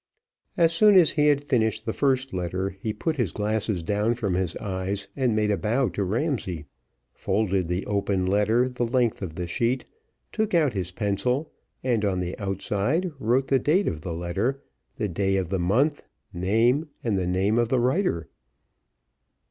As soon as he had finished the first letter, he put his glasses down from his eyes, and made a bow to Ramsay, folded the open letter the length of the sheet, took out his pencil, and on the outside wrote the date of the letter, the day of the month, name, and the name of the writer.